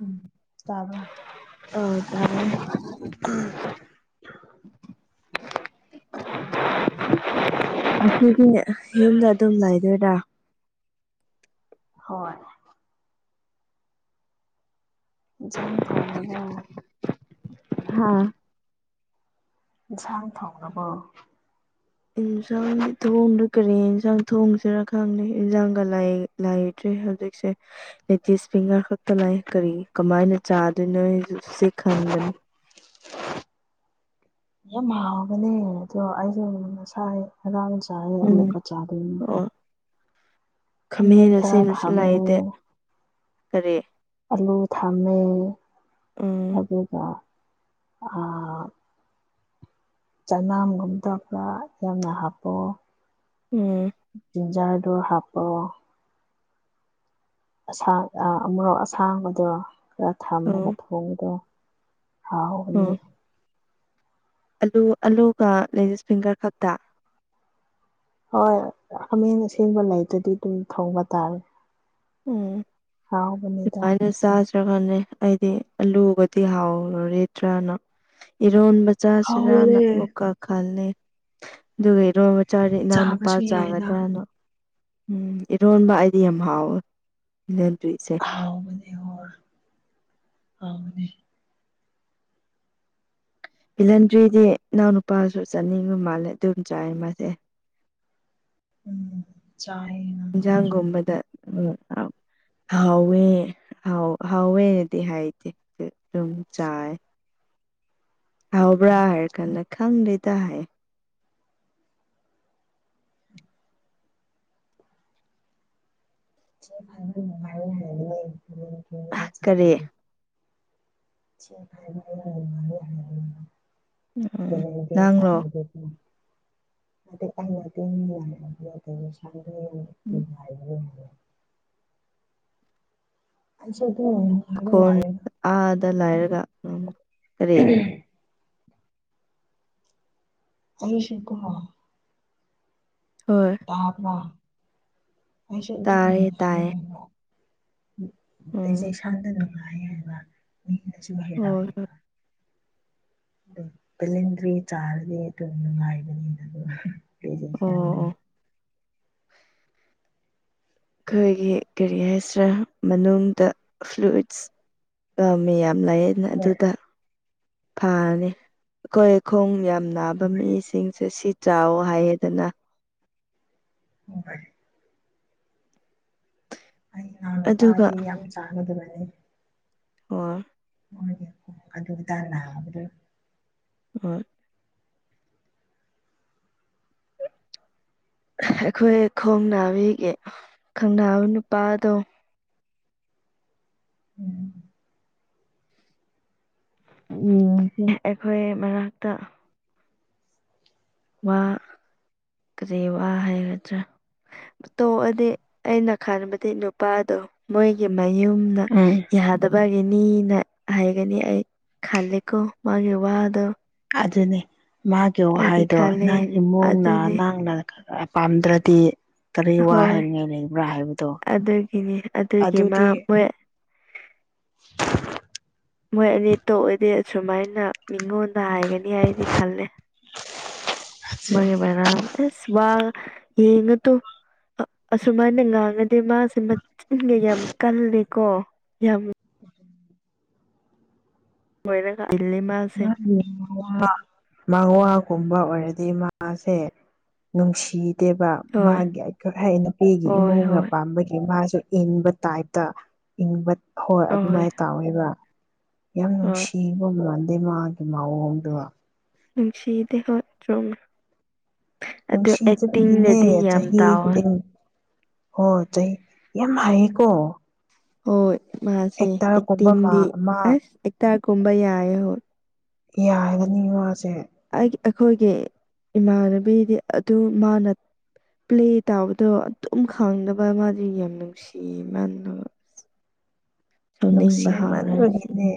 ꯎꯝ ꯇꯥꯕ ꯑꯧ ꯇꯥꯏꯌꯦ [unintelligible] ꯑꯗꯨꯗꯤꯅꯦ ꯌꯨꯝꯗ ꯑꯗꯨꯝ ꯂꯩꯗꯣꯏꯔꯥ ꯍꯣꯏ ꯏꯟꯁꯥꯡ ꯊꯣꯡꯉꯕꯣ ꯍꯥꯥ ꯏꯟꯁꯥꯡ ꯊꯣꯡꯅꯕꯣ ꯏꯟꯁꯥꯟꯗꯤ ꯊꯣꯡꯅ ꯀ꯭ꯔꯦ ꯏꯟꯁꯥꯡ ꯊꯣꯡꯖꯔ ꯈꯪꯅꯤ ꯏꯟꯁꯥꯡꯒ ꯂꯥꯏꯗ꯭ꯔꯦ ꯍꯧꯖꯤꯛꯁꯦ ꯂꯦꯗꯤꯁ ꯐꯤꯡꯒꯔ ꯈꯛꯇ ꯇꯅꯥꯏ ꯀꯔꯤ ꯀꯃꯥꯏꯅ ꯆꯥꯗꯣꯏꯅꯣ ꯁꯦ ꯈꯟꯕꯅꯤ [unintelligible] ꯌꯥꯝ ꯃꯥꯎꯕꯅꯦ ꯑꯗꯣ ꯑꯩꯁꯨ ꯉꯁꯥꯏ ꯑ ꯍꯣꯏ ꯎꯝ ꯑꯃꯨꯛꯀ ꯆꯥꯗꯨꯏꯅꯦ ꯈꯝꯃꯦꯅꯁꯦꯅꯁꯨ ꯊꯝꯃꯦ ꯂꯥꯏꯗꯦ ꯀꯔꯤ ꯑꯂꯨ ꯊꯥꯝꯃꯦ ꯎꯝ ꯑꯗꯨꯒ ꯑꯥꯥ ꯆꯅꯥꯝꯒꯨꯝꯕꯒ ꯈ ꯌꯥꯝꯅ ꯍꯥꯞꯄꯣ ꯎꯝ ꯖꯥꯔꯗꯨ ꯍꯥꯄꯣ ꯑꯁꯥꯡ ꯑꯃꯨꯔꯣꯛ ꯑꯁꯥꯡꯕꯗꯣ ꯈꯔ ꯑꯣ ꯊꯝꯃꯒ ꯊꯣꯡꯕꯗꯣ ꯑꯣ ꯍꯥꯎꯕꯅꯦ ꯑꯂꯨ ꯑꯂꯨꯒ ꯂꯦꯗꯤꯁ ꯐꯤꯡꯒꯔꯒ ꯈꯛꯇ ꯍꯣꯏ ꯍꯥꯃꯦꯡ ꯑꯁꯦꯡꯕ ꯂꯩꯗꯨꯗꯤ ꯑꯗꯨꯝ ꯊꯧꯕ ꯇꯥꯔꯦ ꯎꯝ ꯍꯥꯎꯕ ꯅꯤꯗ ꯅꯠꯇ꯭ꯔꯒꯅꯦ ꯑꯩꯗꯤ ꯑꯂꯨꯒꯗꯤ ꯍꯥꯎꯔꯨꯔꯗ꯭ꯔꯅ ꯏꯔꯣꯟꯕ ꯆꯖꯁꯤꯔꯥꯅ ꯍꯥꯎꯕꯅꯦ ꯑꯃꯨꯛꯀꯥ ꯈꯟꯂꯦ ꯑꯗꯨꯒ ꯏꯔꯣꯏꯕꯆꯥꯔꯤ ꯏꯅꯥꯎ ꯅꯨꯄꯥ ꯆꯥꯕꯁꯨ ꯌꯥꯏꯅ ꯆꯥꯒꯗ꯭ꯔꯥꯅ ꯎꯝ ꯏꯔꯣꯟꯕ ꯑꯩꯗꯤ ꯌꯥꯝ ꯍꯥꯎꯋꯦ ꯕꯤꯂꯦꯟꯗ꯭ꯔꯤꯁꯦ ꯍꯥꯎ ꯃꯅꯤ ꯍꯥꯎ ꯃꯅꯤ ꯕꯦꯍꯟꯗ꯭ꯔꯤꯗꯤ ꯏꯅꯥꯎ ꯅꯨꯄꯥꯁꯨ ꯆꯥꯅꯤꯡꯕ ꯃꯥꯜꯂꯦ ꯑꯗꯨꯝ ꯆꯥꯏ ꯃꯥꯁꯦ ꯎꯝ ꯆꯥꯏꯌꯦ ꯅꯪ ꯅꯨꯄꯥꯁꯨ ꯏꯟꯖꯥꯡꯒꯨꯝꯕꯗ ꯎꯝ ꯍꯋꯦ ꯍꯋꯦꯅꯗꯤ ꯍꯥꯏꯗ ꯑꯗꯨꯝ ꯆꯥꯏ ꯍꯥꯎꯕ꯭ꯔꯥ ꯍꯥꯏꯔ ꯀꯥꯟꯗ ꯈꯪꯗꯦ ꯇ ꯍꯥꯏ ꯉ ꯀꯔꯤ ꯍꯥꯏ [unintelligible] ꯎꯝ ꯄꯦꯅꯦꯜꯇꯤ ꯅꯪꯔꯣ ꯆꯥꯔꯤꯗꯨꯗꯤ [unintelligible] ꯎꯝ ꯑꯁ ꯑꯗꯨꯃꯥꯏꯅ ꯃꯈꯣꯟ ꯍꯥꯏꯕꯃꯥꯟꯂꯤꯗ ꯑꯥꯗ ꯂꯩꯔꯒ ꯎꯝ ꯀꯔꯤ ꯑꯩꯁꯨ ꯀꯣ ꯍꯣꯏ ꯇꯥꯄꯔꯥ ꯑꯩꯁꯨ ꯑꯗꯨꯝ ꯇꯥꯏꯌꯦ ꯇꯥꯏꯌꯦ ꯅꯨꯉꯥꯏꯌꯦ ꯎꯝ ꯇꯁꯦ ꯁꯥꯟꯗ ꯅ ꯁꯨ ꯍꯥꯏꯔ ꯍꯣꯏ ꯕꯦꯂꯦꯟꯗꯔꯤ ꯆꯥꯔꯗꯤ ꯇ ꯅꯨꯉꯥꯏꯕꯅꯤꯗꯅ ꯍꯣꯏ ꯑꯣ ꯄꯔꯖꯦꯟꯁꯇꯥꯏꯟꯗ ꯑꯣ ꯑꯩꯈꯣꯏꯒꯤ ꯀꯔꯤ ꯍꯥꯏꯁꯤꯔꯥ ꯃꯅꯨꯡꯗ ꯐ꯭ꯂꯨꯏꯠꯁ ꯑ ꯃꯌꯥꯝ ꯂꯩ ꯍꯣꯏ ꯑꯗꯨꯗ ꯐꯅꯤ ꯑꯩꯈꯣꯏ ꯈꯣꯡ ꯌꯥꯝ ꯅꯥꯕ ꯍꯣꯏ ꯃꯤꯁꯤꯡꯁꯦ ꯁꯤ ꯆꯥꯎꯋꯣ ꯍꯥꯏꯌꯦꯗꯅ ꯍꯣꯏ ꯑꯩ ꯏꯅꯥꯎ ꯑꯗꯨꯒ ꯅꯨꯄꯥꯗꯤ ꯌꯥꯝ ꯆꯥꯒꯗꯕꯅꯦ [unintelligible] ꯍꯣꯏ ꯑꯗꯨꯗ ꯅꯕꯗ ꯍꯣꯏ ꯑꯩꯈꯣꯏ ꯈꯣꯡ ꯅꯥꯕꯤꯒꯤ ꯈꯡꯅꯕ ꯅꯨꯄꯥꯗꯣ ꯎꯝ ꯎꯝ ꯑꯩꯈꯣꯏ ꯃꯅꯥꯛꯇ ꯋꯥ ꯀꯔꯤ ꯋꯥ ꯍꯥꯏꯒꯗ꯭ꯔꯥ ꯇꯣꯛꯑꯗꯤ ꯑꯩꯅ ꯈꯟꯕꯗꯤ ꯅꯨꯄꯥꯗꯣ ꯃꯣꯏꯒꯤ ꯃꯌꯨꯝꯗ ꯎꯝ ꯌꯥꯗꯕ ꯏꯅꯤꯅ ꯍꯥꯏꯒꯅꯤ ꯑꯩ ꯈꯂꯦꯀꯣ ꯃꯥꯒꯤ ꯋꯥꯗꯣ ꯑꯗꯨꯅꯤ ꯃꯥꯒꯤ ꯑꯩꯗꯤ ꯋꯥꯍꯩꯗꯣ ꯈꯜꯂꯦ ꯅꯪ ꯏꯃꯨꯡꯅ ꯑꯗꯨꯅꯤ ꯅꯪꯅ ꯄꯥꯝꯗ꯭ꯔꯗꯤ ꯀꯔꯤ ꯋꯥ ꯍꯣꯏ ꯍꯥꯏꯅꯤꯉꯥꯏ ꯂꯩꯕ꯭ꯔꯥ ꯍꯥꯏꯕꯗꯣ ꯑꯗꯨꯒꯤꯅꯤ ꯑꯗꯨꯒꯤ ꯃꯥ ꯑꯗꯨꯗꯤ ꯃꯣꯏ [inaudible] ꯁꯨꯃꯥꯏꯅ ꯃꯤꯉꯣꯟꯗ ꯍꯥꯏꯒꯅꯤ ꯍꯥꯏꯗꯤ ꯈꯜꯂꯦ ꯃꯔꯩ ꯃꯔꯥꯡ ꯑꯦꯁ ꯋꯥ ꯌꯦꯉꯨ ꯇꯨ ꯑ ꯑꯁꯨꯃꯥꯏꯅ ꯉꯥꯡꯉꯗꯤ ꯃꯥꯁꯦ ꯃꯆꯤꯟꯒ ꯌꯥꯝ ꯀꯜꯂꯦꯀꯣ ꯌꯥꯝ ꯍꯣꯏꯔꯒ ꯃꯥꯒꯤ ꯃꯋꯥ ꯃꯋꯥ ꯀꯨꯝꯕ ꯑꯣꯏꯔꯗꯤ ꯃꯥꯁꯦ ꯅꯨꯡꯁꯤ ꯗꯦꯕ ꯍꯣꯏ ꯃꯥꯒꯤ ꯑꯩꯈꯣꯏ ꯍꯥꯏ ꯅꯨꯄꯤꯒꯤ ꯍꯣꯏ ꯏꯃꯨꯡꯅ ꯍꯣꯏ ꯄꯥꯝꯕꯒꯤ ꯃꯥꯁꯤ ꯏꯟꯕ ꯇꯥꯏꯞꯇ ꯏꯟꯕ ꯍꯣꯏ ꯑꯗꯨꯃꯥꯏꯅ ꯇꯧꯋꯦꯕ ꯌꯥꯝ ꯍꯣꯏ ꯅꯨꯡꯁꯤꯕ ꯃꯥꯟꯗꯦ ꯃꯥꯒꯤ ꯃꯑꯣꯡꯗꯣ ꯅꯨꯡꯁꯤꯗꯦ ꯍꯣꯏ ꯆꯨꯝꯃꯦ ꯑꯗꯨ ꯅꯨꯡꯁꯤ ꯆꯕꯤꯒꯤꯅꯦ ꯑꯦꯛꯇꯤꯡꯗꯗꯤ ꯌꯥꯝ ꯆꯍꯤ ꯇꯥꯎꯋꯦ ꯍꯣ ꯆꯩ ꯌꯥꯝ ꯍꯥꯏꯀꯣ ꯍꯣꯏ ꯃꯥꯁꯦ ꯃꯥ ꯑꯦꯛꯇꯤꯡꯗꯤ ꯃꯥ ꯑꯁ ꯑꯦꯛꯇꯔꯒꯨꯝꯕ ꯌꯥꯏ ꯍꯣꯏ ꯌꯥꯒꯅꯤ ꯃꯥꯁꯦ ꯑꯩ ꯑꯩꯈꯣꯏꯒꯤ ꯏꯃꯥꯟꯅꯕꯤꯗꯤ ꯑꯗꯨ ꯃꯥꯅ ꯄ꯭ꯂꯦ ꯇꯥꯕꯗꯣ ꯑꯗꯨꯝ ꯈꯡꯗꯕ ꯃꯥꯗꯤ ꯌꯥꯝ ꯅꯨꯡꯁꯤꯌꯦ ꯃꯥꯗꯣ [inaudible] ꯁꯥꯎꯅꯤꯡ ꯍꯥꯎꯔꯁꯨ ꯅꯨꯡꯁꯤꯃꯟꯕꯒꯤꯅꯦ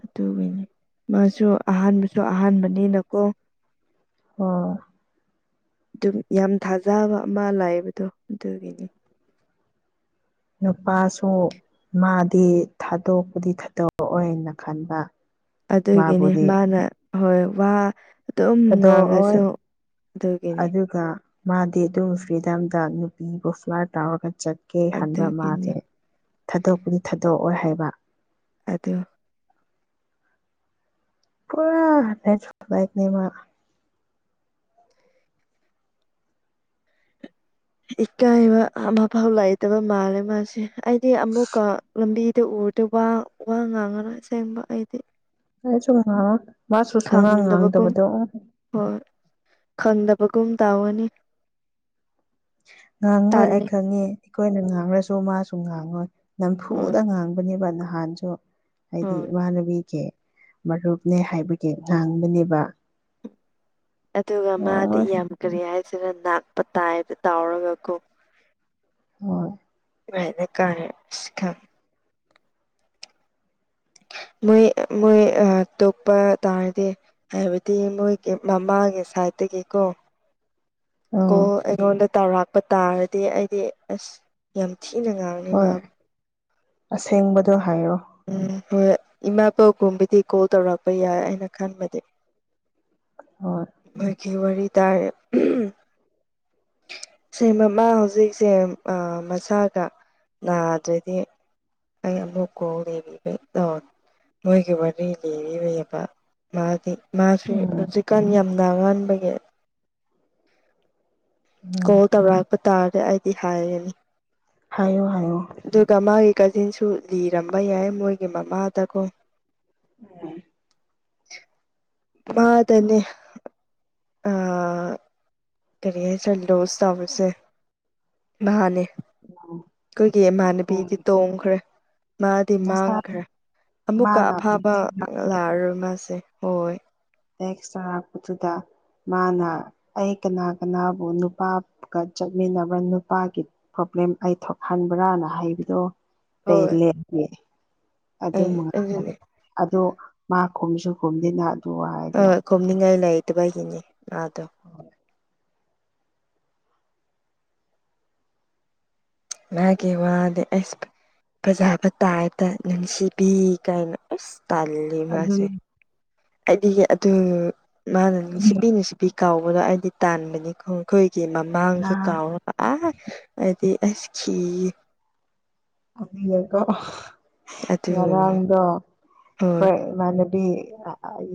ꯑꯗꯨꯒꯤꯅꯤ ꯃꯥꯁꯨ ꯑꯍꯥꯟꯕꯁꯨ ꯑꯍꯥꯟꯕꯅꯤꯅꯀꯣ ꯍ ꯑꯗꯨꯝ ꯌꯥꯝ ꯊꯥꯖꯕ ꯑꯃ ꯂꯥꯛꯕꯗꯣ ꯑꯗꯨꯒꯤꯅꯤ ꯅꯨꯄꯥꯁꯨ ꯃꯥꯗꯤ ꯊꯥꯗꯣꯛꯄꯗꯤ ꯈꯗꯧꯑꯣꯏꯅ ꯈꯟꯕ ꯑꯗꯨꯒꯤꯅꯤ ꯃꯥꯕꯨꯗꯤ ꯃꯥꯅ ꯍꯣꯏ ꯋꯥ ꯑꯗꯨꯝ ꯊꯥꯗꯣꯛꯑꯣꯏ ꯉꯥꯡꯉꯁꯨ ꯑꯗꯨꯒꯤꯅꯤ ꯑꯗꯨꯒ ꯃꯥꯗꯤ ꯑꯗꯨꯝ ꯐ꯭ꯔꯤꯗꯝꯗ ꯅꯨꯄꯤꯕꯨ ꯐ꯭ꯂꯥꯠ ꯇꯥꯎꯔꯒ ꯆꯠ ꯀꯦ ꯍꯕ ꯑꯗꯨꯒꯤꯅꯤ ꯃꯥꯁꯦ ꯊꯥꯗꯣꯛꯄꯨꯗꯤ ꯊꯥꯗꯣꯛꯑꯣꯏ ꯍꯥꯏꯕ ꯑꯗꯣ ꯄꯨꯥ ꯍꯥꯏꯅꯦ ꯃꯥ ꯏꯀꯥꯏꯕ ꯑꯃꯐꯥꯎ ꯂꯩꯥꯏꯇꯕ ꯃꯥꯜꯂꯦ ꯃꯥꯁꯦ ꯑꯩꯗꯤ ꯑꯃꯨꯛꯀ ꯂꯝꯕꯤꯗ ꯎ ꯍꯗ ꯋꯥ ꯋꯥ ꯉꯉꯅ ꯁꯦꯝꯦꯡꯕ ꯑꯩꯗꯤ ꯀꯁꯨ ꯉꯥꯡ ꯃꯥꯁꯨ ꯁꯨꯡꯉꯥꯡ ꯈꯪꯗꯕꯒꯨꯝ ꯉꯥꯡꯗꯕꯗꯣ ꯑꯣ ꯍꯣꯏ ꯈꯪꯗꯕꯒꯨꯝ ꯇꯥꯎꯉꯅꯤ ꯉꯥꯡꯉꯣꯏ ꯑꯩ ꯈꯪꯉꯤ ꯑꯩꯈꯣꯏꯅ ꯉꯥꯡꯉꯁꯨ ꯃꯥꯁꯨ ꯉꯥꯡꯉꯣꯏ ꯍꯣꯏ ꯅꯝꯐꯨꯗ ꯉꯥꯡꯕꯅꯦꯕ ꯅꯍꯥꯟꯁꯨ ꯍꯥꯏꯗꯤ ꯍꯣꯏ ꯏꯃꯥꯟꯅꯕꯤꯒꯤ ꯃꯔꯨꯞꯅꯦ ꯍꯥꯏꯕꯒꯤ ꯉꯥꯡꯕꯅꯦꯕ ꯑꯗꯨꯒ ꯃꯥꯗꯤ ꯉꯥꯡꯉꯣꯏ ꯌꯥꯝ ꯀꯔꯤ ꯍꯥꯏꯁꯤꯅ ꯅꯥꯛꯄ ꯇꯥꯏꯕ ꯇꯥꯎꯔꯒꯀꯣ ꯍꯣꯏ ꯃꯅꯦ ꯀꯔ ꯊꯝ ꯎ ꯃꯣꯏ ꯃꯣꯏ ꯇꯣꯛꯄ ꯇꯥꯔꯗꯤ ꯍꯥꯏꯕꯗꯤ ꯃꯣꯏꯒꯤ ꯃꯃꯥꯒꯤ ꯁꯥꯏꯗ ꯦꯀꯣ ꯀ ꯑꯥ ꯑꯩꯉꯣꯟꯗ ꯆꯥꯎꯧꯔꯥꯛꯄ ꯇꯥꯔꯗꯤ ꯑꯩꯗꯤ ꯑꯁ ꯌꯥꯝ ꯊꯤꯅꯉꯥꯡ ꯑꯅꯤ ꯃꯥ ꯍꯣꯏ ꯑꯁꯦꯡꯕꯗꯣ ꯍꯥꯏꯔꯣ ꯎꯝ ꯍꯣꯏ ꯏꯃꯥ ꯄꯣꯛꯒꯨꯝꯕꯗꯤ ꯀꯣꯜ ꯇꯧꯔꯛꯄ ꯌꯥꯏ ꯑꯩꯅ ꯈꯟꯕꯗꯤ ꯑ ꯈ ꯋꯥꯔꯤꯔꯤ ꯇꯥꯏ ꯁꯦꯃꯃ ꯍꯧꯖꯤꯛꯁꯦ ꯃꯁꯥꯒ ꯅꯥꯗ꯭ꯔꯗꯤ ꯑꯩ ꯑꯃꯨꯛ ꯀꯣꯡꯕꯤꯕꯩ ꯃꯣꯏꯒꯤ ꯋꯥꯔꯤ ꯂꯤꯕ ꯃꯥꯗꯤ ꯃꯥꯁꯤ ꯎꯝ ꯍꯧꯖꯤꯛꯀꯥꯟ ꯌꯥꯝ ꯉꯟꯥꯟꯕꯒꯤ ꯀꯣ ꯎꯝ ꯇꯧ ꯂꯥꯛꯄ ꯇꯥꯔꯦ ꯑꯩꯗꯤ ꯍꯥꯏꯒꯅꯤ ꯍꯥꯏꯌ ꯍꯥꯏꯌ ꯑꯗꯨꯒ ꯃꯥꯒꯤ ꯀꯥꯖꯤꯟꯁꯨ ꯂꯤꯔꯝꯕ ꯌꯥꯏ ꯃꯣꯏꯒꯤ ꯃꯃꯥꯗꯀꯣ ꯎꯝ ꯃꯥꯗꯅꯤꯅꯦ ꯑꯥ ꯀꯔꯤ ꯆꯠꯂꯣ ꯁ ꯇꯕꯁꯦ ꯅꯦ ꯑꯩꯈꯣꯏꯒꯤ ꯍꯣꯏ ꯏꯃꯥꯟꯅꯕꯤꯗꯤ ꯇꯣꯡꯈ꯭ꯔꯦ ꯃꯥꯗꯤ ꯅꯁꯥ ꯃꯥꯡꯈ꯭ꯔꯦ ꯑꯃꯨꯛꯀ ꯃꯥꯅ ꯑꯐꯕ ꯇꯦꯛꯁ ꯂꯥꯛꯑꯔꯣꯏ ꯃꯥꯁꯦ ꯍꯣꯏ ꯍꯣꯏ ꯑꯦꯁꯇ꯭ꯔꯥ ꯂꯥꯛꯄꯗꯨꯗ ꯃꯥꯅ ꯑꯩ ꯀꯅꯥ ꯀꯅꯥꯕꯨ ꯅꯨꯄꯥꯒ ꯆꯠꯃꯤꯟꯅꯕ ꯅꯨꯄꯥꯒꯤ ꯄꯣꯕ꯭ꯂꯦꯝ ꯑꯩ ꯊꯣꯛꯍꯟꯕ꯭ꯔꯥꯅ ꯍꯥꯏꯕꯗꯣ ꯀꯩ ꯍꯣꯏ ꯂꯒꯦ ꯑꯗꯨ ꯑꯩ ꯑꯗꯨꯅꯦ ꯑꯗꯨ ꯃꯥ ꯈꯨꯝꯁꯨ ꯈꯨꯝꯗꯅ ꯑꯗꯨ ꯑ ꯋꯥꯍꯩꯗꯣ ꯀꯨꯝꯃꯤ ꯀꯥꯏ ꯂꯩꯥꯏꯇ ꯄꯒꯤꯅꯦꯦ ꯑꯗꯣ ꯃꯥ ꯀꯦ ꯋꯥꯗꯦ ꯑꯁ ꯐꯖꯥꯕ ꯇꯥꯏꯗ ꯅꯨꯡꯁꯤꯕꯤ ꯀꯥꯏꯅ ꯑꯁ ꯇꯥꯜꯂꯤ ꯃꯥꯁꯦ ꯑꯗꯨꯅꯦ ꯍꯥꯏꯗꯤ ꯑꯗꯨ ꯃꯥꯅ ꯁꯤꯄꯤ ꯅꯨꯡ ꯁꯤꯄꯤ ꯀꯥꯎ ꯑꯩꯗꯤ ꯇꯥꯟꯕꯅꯤ ꯈꯈꯣꯏꯒꯤ ꯃꯃꯥꯡꯁꯨ ꯅꯍꯥꯟ ꯀꯥꯎꯔꯕ ꯑ ꯍ ꯑꯁ ꯊ ꯑꯗꯨꯀꯣ ꯑꯗꯨꯅꯤ ꯉꯔꯥꯡꯗꯣ ꯍꯣꯏ ꯑꯩꯈꯣꯏ ꯏꯃꯥꯟꯅ ꯕꯤ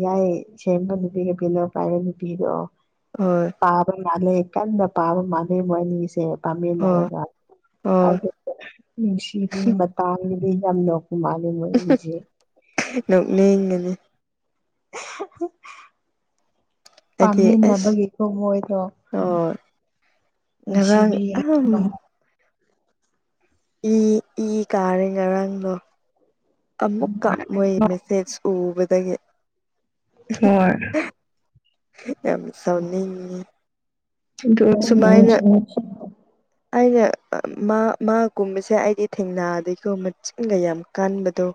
ꯌꯥꯏ ꯁꯦꯝꯕ ꯅꯨꯄꯤꯒ ꯄꯤꯂꯣ ꯄꯥꯏꯔꯤ ꯅꯨꯄꯤꯗꯣ ꯍꯣꯏ ꯄꯥꯕ ꯃꯥꯜꯂꯦ ꯀꯟꯅ ꯄꯥꯕ ꯃꯥꯜꯂꯦ ꯃꯣꯏ ꯑꯅꯤꯁꯦ ꯍꯣꯏ ꯄꯥꯝꯃꯤꯟꯅꯔꯒ ꯍꯣꯏ ꯑꯗꯨ ꯅꯨꯡꯁꯤꯗꯤ ꯃꯇꯥꯡꯒꯤꯗꯤ ꯌꯥꯝꯅ ꯃꯥꯂꯦꯁꯖ ꯃꯣꯏ ꯑꯅꯤꯖꯦ ꯅꯣꯛꯅꯤꯡꯒꯅꯤ ꯍꯥꯏꯗꯤ ꯑꯁ ꯄꯥꯝꯃꯤꯟꯅꯕꯒꯤ ꯊꯣꯡꯑꯣꯏꯗꯣ ꯍꯣꯏ ꯉꯔꯥꯡ ꯑ ꯍꯥꯏꯕꯗꯣ ꯏ ꯏ ꯀꯥꯔꯦ ꯉꯔꯥꯡꯗꯣ ꯑꯃꯨꯛ ꯀꯞ ꯃꯣꯏ ꯃꯦꯁꯦꯖ ꯎꯕꯗꯒꯤ ꯍꯣꯏ ꯌꯥꯝ ꯁꯥꯎꯅꯤꯡꯉꯤ ꯁꯨꯃꯥꯏꯅ [unintelligible] ꯑꯩꯅ ꯃꯥ ꯃꯥꯒꯨꯝꯕꯁꯦ ꯑꯩꯗꯤ ꯊꯦꯡꯅꯥꯗꯩꯀꯣ ꯃꯆꯤꯟꯒ ꯌꯥꯝ ꯀꯥꯟꯕꯗꯣ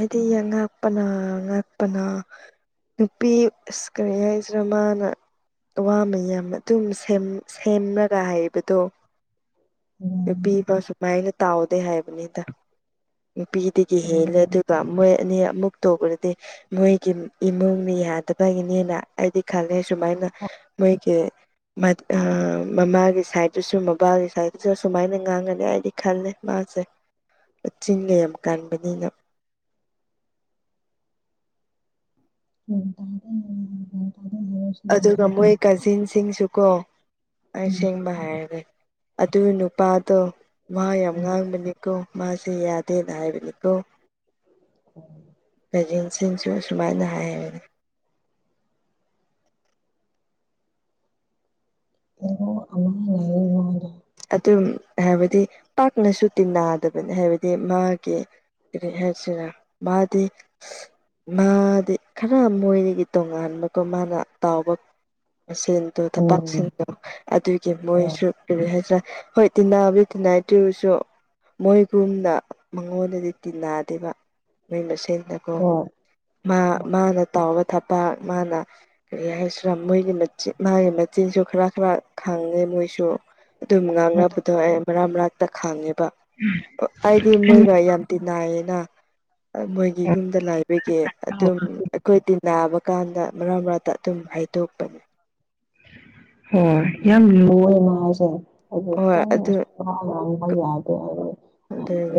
ꯑꯗꯤ ꯌꯦꯉ ꯥꯛꯄꯅ ꯉꯥꯛꯄꯅ ꯅꯨꯄꯤ ꯑꯁ ꯀꯔꯤ ꯍꯥꯏꯁꯤꯔ ꯃꯥꯅ ꯋꯥ ꯃꯌꯥꯝ ꯑꯗꯨꯝ ꯁꯦꯝ ꯁꯦꯝꯔ ꯍꯥꯏꯩꯕꯗꯣ ꯅꯨꯄꯤꯕ ꯁꯨꯃꯥꯏꯅ ꯇꯥꯎꯗꯦ ꯍꯥꯏꯕꯅꯤꯗ ꯅꯨꯄꯤꯗꯒꯤ ꯍꯦꯜꯂꯦ ꯑꯗꯨꯒ ꯃꯣꯏ ꯑꯅꯤ ꯑꯃꯨꯛ ꯇꯣꯛꯈ꯭ꯔꯗꯤ ꯃꯣꯏꯒꯤ ꯏꯃꯨꯡꯅ ꯌꯥꯗꯕꯒꯤꯅꯤꯅ ꯑꯩꯗꯤ ꯈꯂꯦ ꯁꯨꯃꯥꯏꯅ ꯃꯣꯏꯒꯤ ꯃꯠ ꯑ ꯃꯥꯒꯤ ꯁꯥꯏꯠꯇꯁꯨ ꯃꯕꯥꯒꯤ ꯁꯥꯏꯠꯇꯁꯨ ꯑꯁꯨꯃꯥꯏꯅ ꯉꯥꯡꯉꯅꯤ ꯍꯥꯏꯗꯤ ꯈꯜꯂꯦ ꯃꯥꯁꯦ ꯆꯤꯟꯌꯥꯝ ꯀꯥꯟꯕꯅꯤꯅ [inaudible] ꯎꯝ [unintelligible] ꯑꯗꯨꯒ ꯃꯣꯏ ꯀꯥꯖꯤꯟꯁꯤꯡꯁꯨꯀꯣ ꯑꯁꯦꯡꯕ ꯍꯥꯏꯔꯒꯦ ꯑꯗꯨ ꯅꯨꯄꯥꯗꯣ ꯋꯥ ꯌꯥꯝ ꯉꯥꯡꯕꯅꯤꯀꯣ ꯃꯥꯁꯤ ꯌꯥꯗꯦꯅ ꯍꯥꯏꯕꯅꯤꯀꯣ ꯀꯖꯤꯟ ꯁꯤꯡꯁꯨ ꯁꯨꯃꯥꯏꯅ ꯍꯥꯏꯔꯅꯤ ꯑꯃꯅꯤ ꯂꯩꯌꯦ ꯋꯥꯡꯒꯦ ꯑꯗꯨꯝ ꯍꯥꯏꯕꯗꯤ ꯄꯥꯛꯅꯁꯨ ꯇꯤꯟꯅꯗꯕꯅꯤ ꯍꯥꯏꯕꯗꯤ ꯃꯥꯒꯤ ꯀꯔꯤ ꯍꯥꯏꯁꯤꯔ ꯃꯥꯗꯤ ꯃꯥꯗꯤ ꯈꯔ ꯃꯣꯏꯗꯒꯤ ꯇꯣꯉꯥꯟꯕꯀꯣ ꯃꯥꯅ ꯇꯥꯎꯕ ꯃꯁꯦꯟꯗꯣ ꯍꯣꯏ ꯊꯕꯄꯥꯛꯁꯤꯡꯗꯣ ꯑꯗꯨꯒꯤ ꯃꯣꯏꯁꯨ ꯀꯔꯤ ꯍꯥꯏ ꯍꯣꯏ ꯇꯅꯕꯤ ꯇꯅꯩꯇꯁꯨ ꯃꯣꯏꯒꯨꯝꯅ ꯃꯉꯣꯟꯗꯗꯤ ꯇꯤꯟꯅꯗꯦꯕ ꯃꯣꯏ ꯃꯁꯦꯟ ꯗꯀꯣꯣ ꯍꯣꯏ ꯃꯥ ꯍꯣꯏ ꯃꯥꯅ ꯇꯥꯎꯕ ꯊꯕꯥꯛ ꯃꯥꯅ ꯀꯔꯤ ꯍꯥꯏꯁꯤꯔꯥ ꯃꯣꯏꯒꯤ ꯃꯥꯒꯤ ꯃꯆꯤꯟꯁꯨ ꯈꯔ ꯈꯔ ꯈꯪꯉꯦꯕ ꯃꯣꯏꯁꯨ ꯑꯗꯨꯝ ꯉꯥꯡꯅ ꯄꯨꯊꯣꯛꯑꯦ ꯃꯔꯛ ꯃꯔꯅꯥꯛꯇ ꯈꯥꯡꯉꯦꯕ ꯕ ꯑꯩꯗꯤ ꯃꯣꯏꯒ ꯌꯥꯝ ꯇꯤꯅꯥꯏꯌꯦꯅ ꯃꯣꯏꯒꯤ ꯌꯨꯝꯗ ꯂꯥꯏꯕꯒꯤ ꯑꯗꯨꯝ ꯑꯩꯈꯣꯏꯗꯤ ꯅꯥꯕ ꯀꯥꯟꯗ ꯃꯔꯛ ꯃꯔꯛꯇ ꯑꯗꯨꯝ ꯍꯩꯏꯗꯣꯛꯄꯅꯤ ꯍꯣꯏ ꯌꯥꯝ ꯂꯨ ꯃꯥꯁꯦ ꯍꯥꯏꯗꯤ ꯍꯣꯏ ꯑꯗꯨ ꯀꯟꯅꯁꯨ ꯋꯥ ꯃ ꯌꯥꯗꯦ ꯑ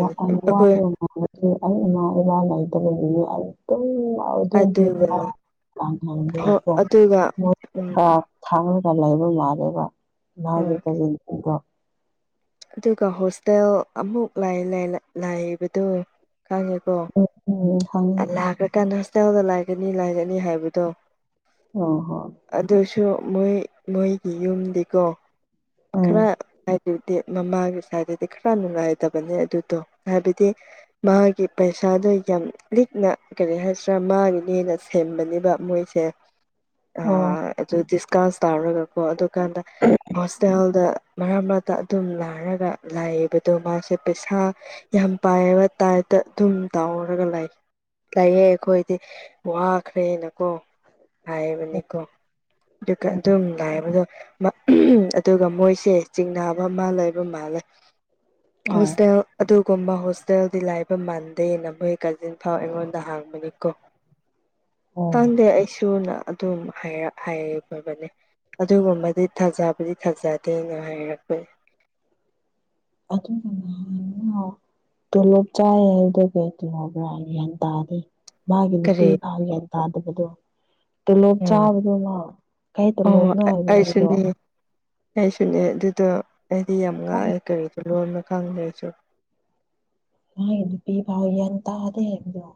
ꯋꯥ ꯑꯩꯈꯣꯏ ꯑꯩ ꯏꯃꯥ ꯏꯄꯥꯈ ꯂꯩꯇꯕꯒꯤꯅꯦ ꯑꯗꯨꯝ ꯑꯗꯨꯗꯤ ꯑꯗꯨꯒꯤꯅꯤ ꯍꯣꯏ ꯊꯥꯅ ꯑꯗꯨꯒ ꯎꯝ ꯈꯉꯟꯗꯧ ꯈꯔ ꯂꯩꯕ ꯃꯥꯜꯂꯦꯕ ꯃꯥꯒꯤ ꯍꯣꯏ ꯀꯖꯤꯟꯁꯤꯡꯗꯣ ꯑꯗꯨꯒ ꯍꯣꯁꯇꯦꯜ ꯑꯃꯨꯛ ꯂꯥꯢ ꯂꯩ ꯂꯥꯏꯕꯗꯣ ꯈꯪꯉꯦꯀꯣ ꯎꯝ ꯎꯝ ꯈꯪꯉꯦ ꯂꯥꯛꯈ꯭ꯔꯀꯥꯟꯗ ꯍꯣꯁꯇꯥꯦꯜꯗ ꯂꯥꯏꯒꯅꯤ ꯂꯥꯏꯒꯅꯤ ꯍꯥꯏꯕꯗꯣ ꯑ ꯍ ꯁꯨ ꯃꯣꯏ ꯃꯣꯏꯒꯤ ꯌꯨꯝꯗꯤꯀꯣ ꯈꯔ ꯎꯝ ꯍꯥꯏꯗꯤ ꯃꯃꯥꯒꯤ ꯁꯥꯏꯗꯠꯇꯗꯤ ꯈꯔ ꯅꯨꯡꯉꯥꯏꯗꯕꯅꯦ ꯑꯗꯨꯗꯣ ꯍꯥꯏꯕꯗꯤ ꯃꯥꯒꯤ ꯄꯩꯁꯥ ꯑꯗ ꯌꯥꯝ ꯂꯤꯛꯅ ꯀꯔꯤ ꯍꯥꯏꯗ꯭ꯔꯥ ꯃꯥꯒꯤꯅꯦꯅ ꯁꯦꯝꯕꯅꯦꯕ ꯃꯣꯏꯁꯦ ꯑ ꯑꯣ ꯑꯗꯨ ꯗꯤꯁꯀꯥꯎꯟ ꯇꯥꯔꯒꯀꯣ ꯑꯗꯨꯀꯥꯟꯗ ꯍꯣꯁꯇꯦꯜꯗ ꯃꯔꯛ ꯃꯔꯛꯇ ꯑꯗꯨꯝ ꯂꯥꯏꯔꯒ ꯂꯥꯏꯌꯦꯕꯗꯣ ꯃꯥꯁꯦ ꯄꯩꯁꯥ ꯌꯥꯝ ꯄꯥꯏꯑꯕ ꯇꯥꯏ ꯑꯗꯨꯝ ꯇꯥꯎꯔꯒ ꯂꯩ ꯂꯩꯑꯦ ꯑꯩꯈꯣꯏꯗꯤ ꯋꯥꯈ꯭ꯔꯦꯅꯀꯣ ꯍꯥꯏꯕꯅꯤꯀꯣ ꯑꯗꯨꯒ ꯑꯗꯨꯝ ꯂꯥꯏꯕꯗꯣ ꯑꯗꯨꯒ ꯃꯣꯏꯁꯦ ꯆꯤꯡꯅꯕ ꯑꯃ ꯂꯩꯕ ꯃꯥꯜꯂꯦ ꯑꯣ ꯍꯁꯦ ꯑꯗꯨ ꯀꯨꯝꯕ ꯍꯣꯁꯇꯦꯜꯗꯤ ꯂꯥꯏꯕ ꯃꯥꯟꯗꯦ ꯅ ꯃꯣꯏ ꯀꯥꯖꯤꯟ ꯐꯥꯎ ꯑꯩꯉꯣꯟꯗ ꯍꯥꯡꯕꯅꯤꯀꯣ ꯑꯣ ꯊꯗꯦ ꯍꯥꯏꯁ ꯊꯨꯅ ꯑꯗꯨꯝ ꯍꯥꯏꯕꯅꯤ ꯑꯗꯨꯒꯨꯝꯕꯗꯤ ꯊꯥꯖꯕꯗꯤ ꯐꯖꯗꯦꯅ ꯍꯥꯏꯔꯛꯄ ꯑꯗꯨ ꯇꯣꯂꯣꯞ ꯆꯥꯏ ꯍꯥꯏꯗ ꯀꯩꯇꯕ꯭ꯔꯥ ꯒ꯭ꯌꯥꯟ ꯇꯥꯗꯤꯦ ꯃꯥꯒꯤ ꯀꯔꯤ ꯅꯨꯄꯤꯄꯥ ꯒ꯭ꯌꯥꯟ ꯇꯥꯗꯕꯗꯣ ꯇꯣꯂꯣꯞ ꯎꯝ ꯆꯥꯕꯗꯣꯃ ꯀꯩ ꯑꯣ ꯇꯣꯂꯣꯞꯅ ꯍꯥꯏꯕꯅꯣ ꯍꯥꯏꯗꯣ ꯑꯩꯁꯨꯅꯦ ꯑꯩꯁꯨꯅꯦ ꯑꯗꯨꯗꯣ ꯑꯩꯗꯤ ꯌꯥꯝ ꯉꯥꯡꯑꯦ ꯀꯔꯤꯗ ꯂꯅ ꯈꯪꯗꯦꯁꯨ ꯍ ꯑꯗꯨꯄꯤ ꯐꯥꯎ ꯌꯥꯟ ꯇꯥꯗꯦꯕꯗꯣ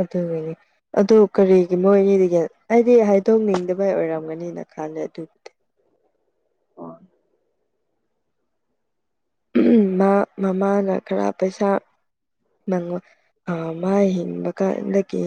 ꯑꯗꯨꯒꯤꯅꯦ ꯑꯗꯨ ꯀꯔꯤꯒꯤ ꯃꯣꯏꯒꯤꯒ ꯍꯥꯏꯗꯤ ꯍꯥꯏꯗꯣꯛꯅꯤꯡꯗꯕꯩ ꯑꯣꯏꯔꯕ ꯐꯪꯒꯅꯤꯅ ꯈꯜꯂꯦ ꯑꯗꯨꯕꯨꯗꯤ ꯑꯥ ꯃꯥ ꯃꯃꯥꯅ ꯈꯔ ꯄꯩꯁꯥ ꯅꯪꯉ ꯑꯃ ꯍꯤꯡꯕ ꯀꯥꯟꯗꯒꯤ